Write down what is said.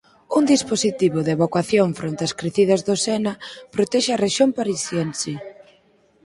Un dispositivo de evacuación fronte ás crecidas do Sena protexe a rexión parisiense.